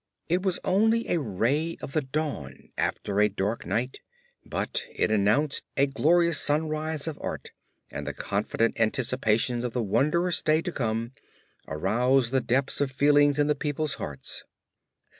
It was only a ray of the dawn after a dark night, but it announced a glorious sunrise of art and the confident anticipations of the wondrous day to come, aroused the depths of feeling in the peoples' hearts.